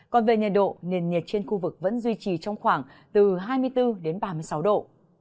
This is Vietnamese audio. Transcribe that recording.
còn về nhiệt độ nền nhiệt trên khu vực vẫn duy trì trong khoảng từ hai mươi bốn đến ba mươi sáu độ